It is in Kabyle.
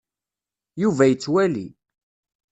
Yuba yettwali.